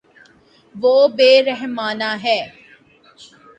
وہ بے رحمانہ ہے